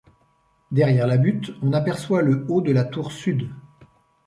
Derrière la butte, on aperçoit le haut de la tour sud.